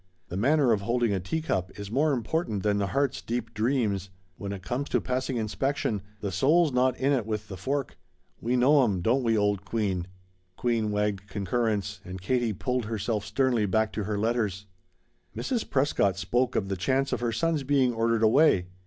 The manner of holding a teacup is more important than the heart's deep dreams. When it comes to passing inspection, the soul's not in it with the fork. We know 'em don't we, old Queen?" Queen wagged concurrence, and Katie pulled herself sternly back to her letters. Mrs. Prescott spoke of the chance of her son's being ordered away.